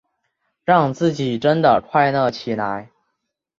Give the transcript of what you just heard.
让自己真的快乐起来